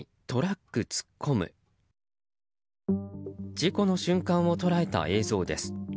事故の瞬間を捉えた映像です。